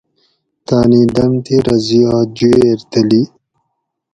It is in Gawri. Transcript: تانی دۤمتیرہ زیات جوئیر تلی